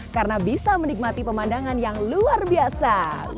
karena bisa menikmati pemandangan yang luar biasa